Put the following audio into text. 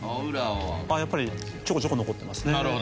やっぱりちょこちょこ残ってますね